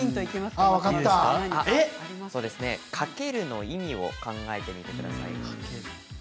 かけるの意味を考えてください。